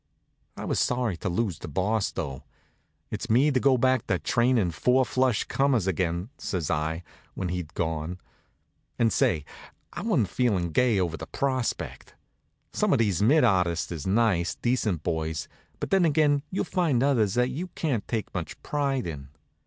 I was sorry to lose the Boss, though. "It's me to go back to trainin' four flush comers again," says I, when he'd gone. And say, I wa'n't feelin' gay over the prospect. Some of these mitt artists is nice, decent boys, but then again you'll find others that you can't take much pride in.